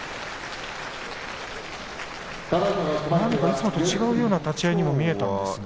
いつもと違うような立ち合いに見えましたね。